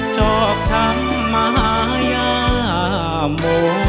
ชอบทั้งมหายาม